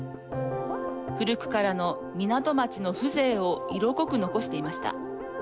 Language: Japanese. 古くからの港町の風情を色濃く残していました。